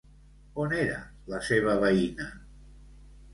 On era la seva veïna?